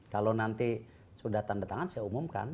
kalau nanti sudah tanda tangan saya umumkan